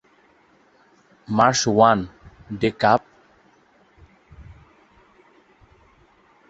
Marsh one day কাপে লাভ ও কালো রঙের পোশাক পরিধান করে।